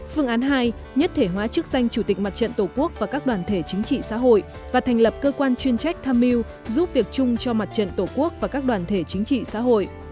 phương án hai nhất thể hóa chức danh chủ tịch mặt trận tổ quốc và các đoàn thể chính trị xã hội và thành lập cơ quan chuyên trách tham mưu giúp việc chung cho mặt trận tổ quốc và các đoàn thể chính trị xã hội